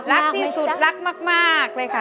รักที่สุดรักมากเลยค่ะ